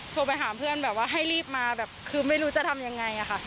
โทรไปหาเพื่อนแบบว่าให้รีบมาแบบคือไม่รู้จะทำยังไงค่ะ